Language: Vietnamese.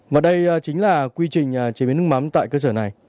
và đây chính là quy trình chế biến nước mắm tại cơ sở này